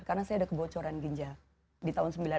karena saya ada kebocoran ginjal di tahun sembilan puluh enam